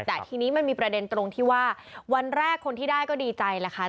แต่ทีนี้มันมีประเด็นตรงที่ว่าวันแรกคนที่ได้ก็ดีใจแหละค่ะ